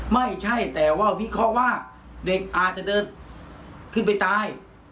ไม่ใช่แต่ว่าวิเคราะห์ว่าเด็กอาจจะเดินขึ้นไปตาย